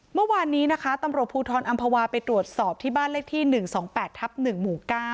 เมื่อวานนี้นะคะตำรวจภูทรอำภาวาไปตรวจสอบที่บ้านเลขที่๑๒๘ทับ๑หมู่๙